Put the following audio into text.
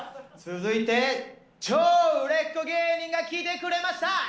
続いて超売れっ子芸人が来てくれました。